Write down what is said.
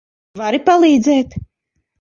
Vari palīdzēt?